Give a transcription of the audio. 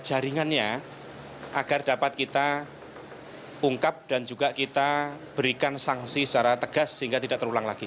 jaringannya agar dapat kita ungkap dan juga kita berikan sanksi secara tegas sehingga tidak terulang lagi